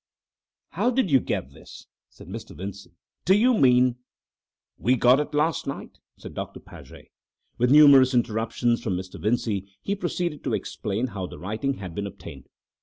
"How did you get this?" said Mr. Vincey. "Do you mean—?" "We got it last night," said Doctor Paget. With numerous interruptions from Mr. Vincey, he proceeded to explain how the writing had been obtained.